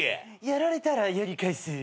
「やられたらやり返す。